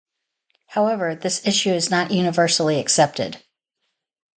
However, this issue is not universally accepted.